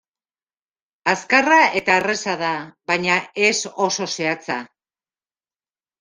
Azkarra eta erraza da, baina ez oso zehatza.